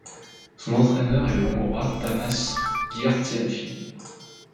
Son entraîneur est le Hongrois Tamás Gyertyánffy.